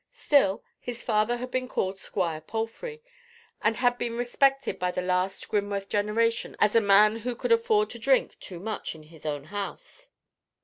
Still, his father had been called Squire Palfrey, and had been respected by the last Grimworth generation as a man who could afford to drink too much in his own house.